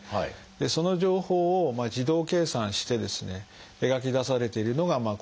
その情報を自動計算してですね描き出されているのがこの画像で。